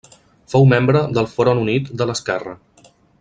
Fou membre del Front Unit de l'Esquerra.